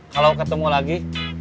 kalau ketemu lagi